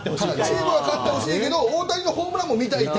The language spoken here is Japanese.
チームは勝ってほしいけど大谷のホームランは見たいと。